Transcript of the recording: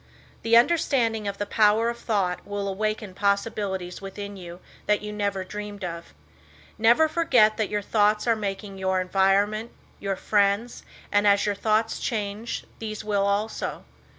The understanding of the power of thought will awaken possibilities within you that you never dreamed of. Never forget that your thoughts are making your environment, your friends, and as your thoughts change these will also.